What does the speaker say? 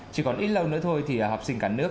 chỉ còn ít lâu nữa thôi thì học sinh cả nước